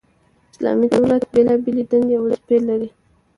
اسلامي دولت بيلابېلي دندي او وظيفي لري،